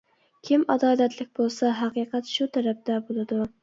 كىم ئادالەتلىك بولسا ھەقىقەت شۇ تەرەپتە بولىدۇ.